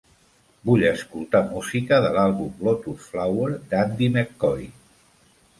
Vull escoltar música de l'àlbum "Lotus Flower", d'Andy Mccoy.